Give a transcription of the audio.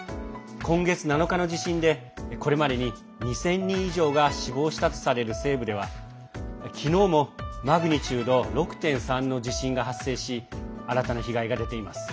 今月７日の地震でこれまでに２０００人以上が死亡したとされる西部では昨日もマグニチュード６．３の地震が発生し新たな被害が出ています。